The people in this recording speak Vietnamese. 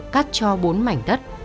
cắt cho bốn mảnh đất